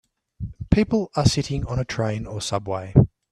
People are sitting on a train or subway.